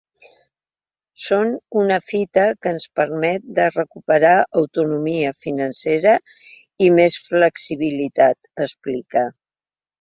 Són una fita que ens permet de recuperar autonomia financera i més flexibilitat, explica.